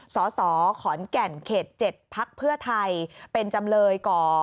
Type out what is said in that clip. สศขอนแก่นเข็ด๗พไทย